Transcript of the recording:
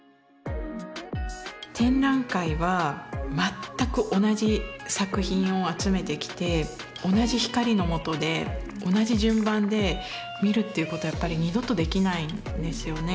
展覧会は全く同じ作品を集めてきて同じ光のもとで同じ順番で見るっていうことはやっぱり二度とできないんですよね。